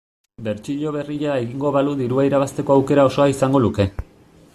Bertsio berria egingo balu dirua irabazteko aukera osoa izango luke.